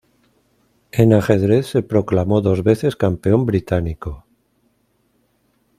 En ajedrez se proclamó dos veces campeón británico.